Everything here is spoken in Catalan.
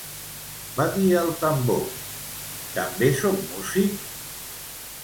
Va dir el tambor: també soc músic!